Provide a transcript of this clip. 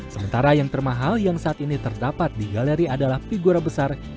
sementara yang termahal yang saat ini terdapat di galeri adalah figura besar